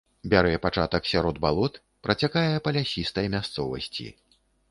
Бярэ пачатак сярод балот, працякае па лясістай мясцовасці.